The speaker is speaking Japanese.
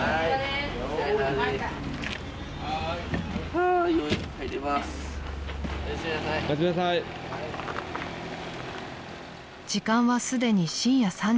［時間はすでに深夜３時］